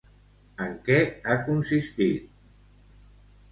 En què ha consistit?